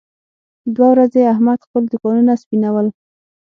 دوه ورځې احمد خپل دوکانونه سپینول.